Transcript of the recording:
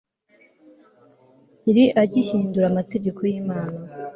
yari agihindura amategeko y'imana